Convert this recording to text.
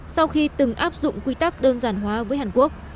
sau khi từng áp dụng quy tắc đơn giản hóa với hàn quốc